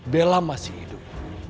bella masih hidup